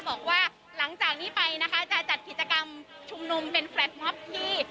บอกว่าหลังจากนี้ไปนะคะจะจัดกิจกรรมชุมนุมเป็นแฟลตมอบที่